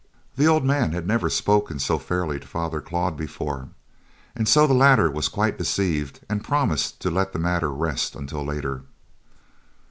The old man had never spoken so fairly to Father Claude before, and so the latter was quite deceived and promised to let the matter rest until later.